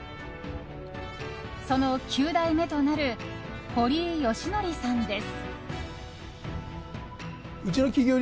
その９代目となる堀井良教さんです。